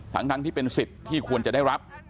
ทั้งที่เป็นสิทธิ์ที่ควรจะได้รับ